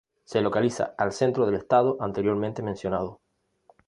Se localiza al centro del estado anteriormente mencionado.